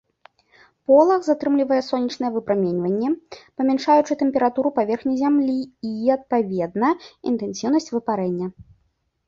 Полаг затрымлівае сонечнае выпраменьванне, памяншаючы тэмпературу паверхні зямлі і, адпаведна, інтэнсіўнасць выпарэння.